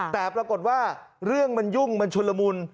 แต่ปรากฏว่าเรื่องมันยุ่งมันชุนละมุน